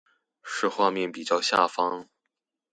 是畫面比較下方